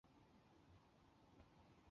父亲厍狄峙。